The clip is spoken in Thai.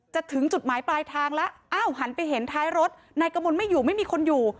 ถึงจุดหมายปลายทางแล้วอ้าวหันไปเห็นท้ายรถนายกมลไม่อยู่ไม่มีคนอยู่